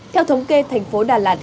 theo thống kê thành phố đà lạt